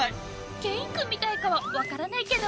ケインくんみたいかはわからないけど。